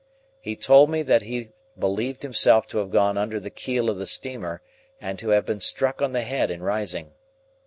He told me that he believed himself to have gone under the keel of the steamer, and to have been struck on the head in rising.